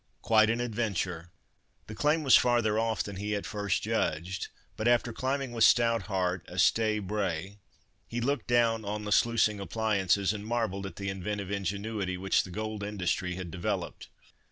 Quite an adventure!" The claim was farther off than he at first judged, but after climbing with stout heart a "stey brae," he looked down on the sluicing appliances, and marvelled at the inventive ingenuity which the gold industry had developed.